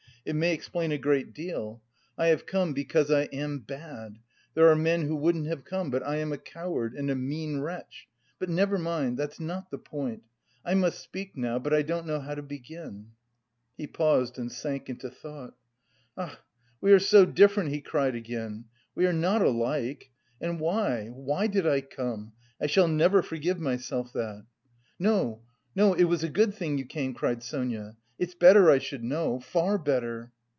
It may explain a great deal. I have come because I am bad. There are men who wouldn't have come. But I am a coward and... a mean wretch. But... never mind! That's not the point. I must speak now, but I don't know how to begin." He paused and sank into thought. "Ach, we are so different," he cried again, "we are not alike. And why, why did I come? I shall never forgive myself that." "No, no, it was a good thing you came," cried Sonia. "It's better I should know, far better!"